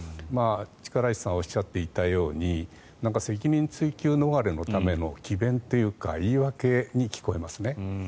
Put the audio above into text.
力石さんがおっしゃっていたように責任追及逃れのための詭弁というか言い訳に聞こえますね。